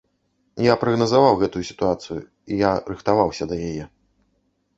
Я прагназаваў гэтую сітуацыю, я рыхтаваўся да яе.